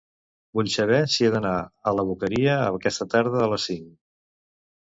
Vull saber si he d'anar a la Boqueria aquesta tarda a les cinc.